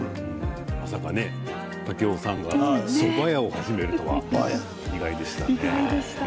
まさかね竹雄さんがそば屋を始めるとは意外でした。